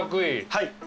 はい。